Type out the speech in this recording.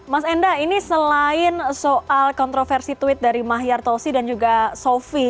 mas enda ini selain soal kontroversi tweet dari mahyar tosi dan juga sofi